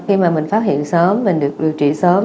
khi mà mình phát hiện sớm mình được điều trị sớm